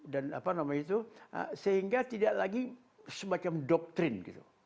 dan apa namanya itu sehingga tidak lagi semacam doktrin gitu